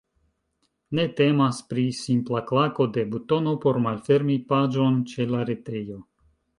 Ne temas pri simpla klako de butono por malfermi paĝon ĉe la retejo.